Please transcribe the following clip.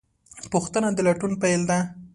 پوښتنه د لټون پیل ده.